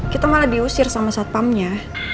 kita malah diusir sama satpamnya